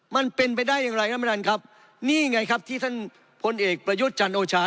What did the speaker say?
มันเป็นไปได้อย่างไรท่านประธานครับนี่ไงครับที่ท่านพลเอกประยุทธ์จันโอชา